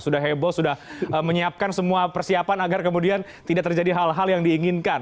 sudah heboh sudah menyiapkan semua persiapan agar kemudian tidak terjadi hal hal yang diinginkan